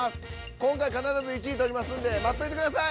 今回必ず１位獲りますんで待っといてください！